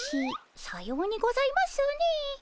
さようにございますねえ。